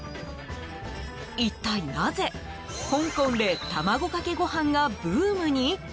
一体なぜ、香港で卵かけご飯がブームに？